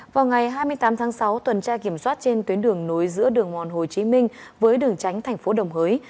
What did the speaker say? vào ngày hai mươi tám tháng sáu tuần tra kiểm soát trên tuyến đường nối giữa đường mòn hồ chí minh với đường tránh thành phố đồng hới